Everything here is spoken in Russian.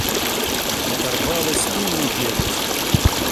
Оторвалась и ну бегать!